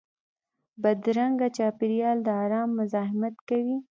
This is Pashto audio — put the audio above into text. بدرنګه چاپېریال د ارام مزاحمت کوي